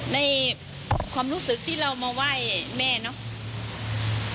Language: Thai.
ในความรู้สึกที่เรามาไหว้แม่เนาะ